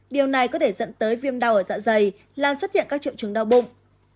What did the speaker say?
điều này có thể dẫn tới viêm đau ở dạ dày làm xuất hiện các triệu chứng đau bụng